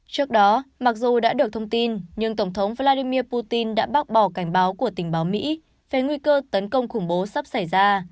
trước đó mặc dù đã được thông tin nhưng tổng thống vladimir putin đã bác bỏ cảnh báo của tình báo mỹ về nguy cơ tấn công khủng bố sắp xảy ra